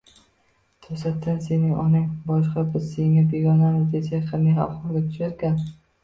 To`satdan Sening onang boshqa, biz senga begonamiz, desak, qanday ahvolga tusharkan